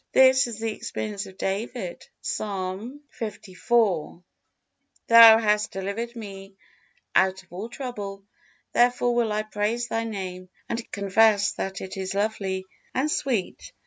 This is the experience of David, Psalm liv: "Thou hast delivered me out of all trouble, therefore will I praise Thy Name and confess that it is lovely and sweet."